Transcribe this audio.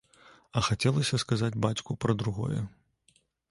А хацелася сказаць бацьку пра другое.